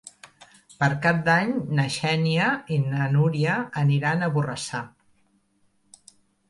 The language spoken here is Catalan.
Per Cap d'Any na Xènia i na Núria aniran a Borrassà.